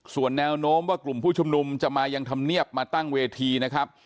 ส่วนแนวโน้มว่ากลุ่มผู้ชุมนุมจะมายังธรรมเนียบมาตั้งเวทีนะครับ